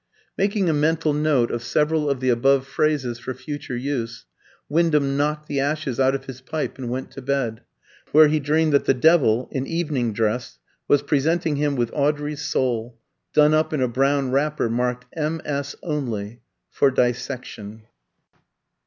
Making a mental note of several of the above phrases for future use, Wyndham knocked the ashes out of his pipe and went to bed, where he dreamed that the Devil, in evening dress, was presenting him with Audrey's soul done up in a brown wrapper marked "MS. only" for dissection.